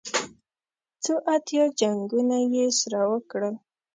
څو اتیا جنګونه یې سره وکړل.